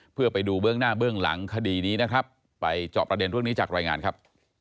เพื่อไปดูเบื้องหน้าเบื้องหลังคดีนี้นะครับไปจอบประเด็นเรื่องนี้จากรายงานครับ